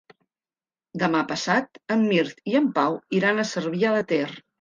Demà passat en Mirt i en Pau iran a Cervià de Ter.